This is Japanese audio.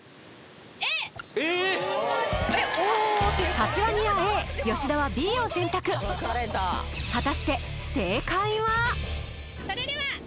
柏木はＡ吉田はＢを選択やりよった！